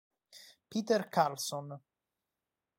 Peter Karlsson